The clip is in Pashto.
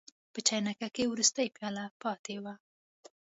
په چاینکه کې وروستۍ پیاله پاتې وه.